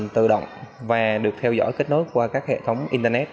tự động và được theo dõi kết nối qua các hệ thống internet